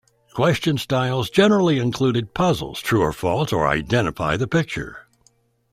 Question styles generally included puzzles, "true or false," or "identify the picture".